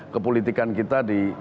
kepolitikan kita di